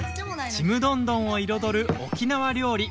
「ちむどんどん」を彩る沖縄料理。